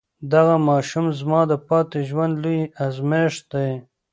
دغه ماشوم زما د پاتې ژوند لوی ازمېښت دی.